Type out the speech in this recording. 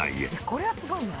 これはすごいな。